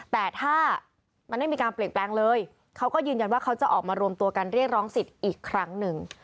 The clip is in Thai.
แต่ถ้ามันไม่มีการเปลี่ยนแปลงเลยเขาก็ยืนยันว่าเขาจะออกมารวมตัวกันเรียกร้องสิทธิ์อีกครั้งหนึ่ง